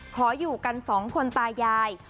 ขออยู่กันสองคนตายาย